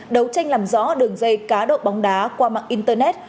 đấu tranh làm rõ đường dây cá độ bóng đá qua mạng internet